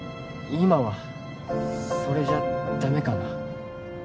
今はそれじゃダメかな？